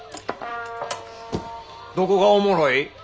どこがおもろい？